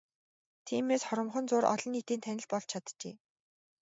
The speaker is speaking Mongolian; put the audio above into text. Тиймээс хоромхон зуур олон нийтийн танил болж чаджээ.